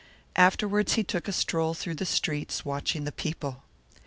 Afterwards he took a stroll through the streets, watching the people.